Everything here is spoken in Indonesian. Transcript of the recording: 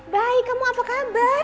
baik kamu apa kabar